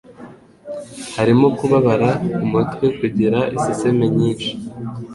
harimo Kubabara umutwe, Kugira iseseme nyinshi